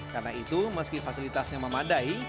karena itu meski fasilitasnya memadai